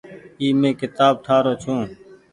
اي مين ڪيتآب ٺآ رو ڇي۔